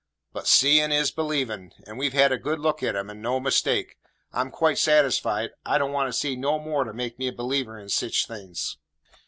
But seein' is believin'; and we've had a good look at him, and no mistake. I'm quite satisfied; I don't want to see no more to make me a believer in sich things."